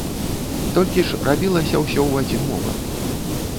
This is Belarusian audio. Толькі ж рабілася ўсё ў адзін момант.